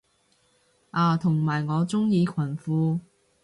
啊同埋我鍾意裙褲